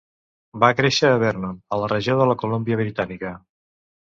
Va créixer a Vernon, a la regió de la Colúmbia Britànica.